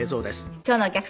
今日のお客様